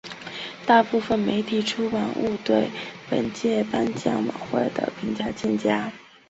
大部分媒体出版物对本届颁奖晚会的评价欠佳。